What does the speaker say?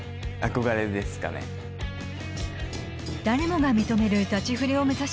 誰もが認める太刀ふりを目指し